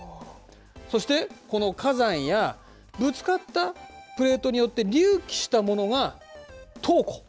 そしてこの火山やぶつかったプレートによって隆起したものが島弧。